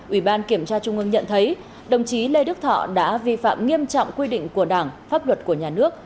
ủy ban kiểm tra trung ương nhận thấy đồng chí lê đức thọ đã vi phạm nghiêm trọng quy định của đảng pháp luật của nhà nước